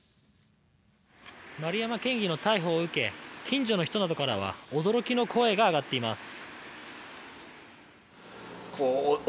丸山県議の逮捕を受け近所の人などからは驚きの声が上がっています。